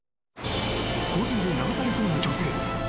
洪水で流されそうな女性。